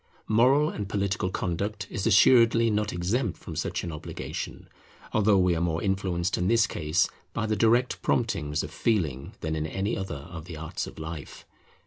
Moral and political conduct is assuredly not exempt from such an obligation, although we are more influenced in this case by the direct promptings of feeling than in any other of the arts of life.